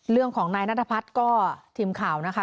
เรื่องของนายนัทพัฒน์ก็ทีมข่าวนะคะ